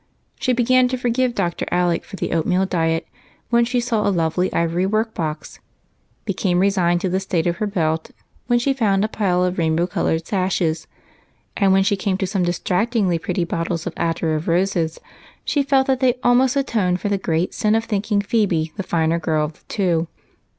She began to forgive Dr. Alec for the oatmeal diet when she saw a lovely ivory work box ; became resigned to the state of her belt when she found a pile of rainbow colored sashes ; and when she came to some distractingly pretty bottles of attar of rose, she felt that they almost atoned for the great sin of thinking Phebe the finer girl of the two.